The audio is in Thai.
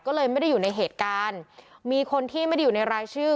ก็เลยไม่ได้อยู่ในเหตุการณ์มีคนที่ไม่ได้อยู่ในรายชื่อ